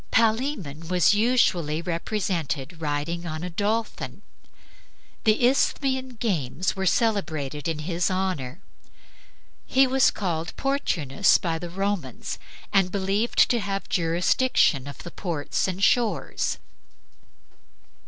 Palaemon was usually represented riding on a dolphin. The Isthmian games were celebrated in his honor. He was called Portunus by the Romans, and believed to have jurisdiction of the ports and shores.